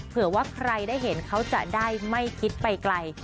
เผื่อว่าใครได้เห็นเขาจะได้ไม่คิดไปไกล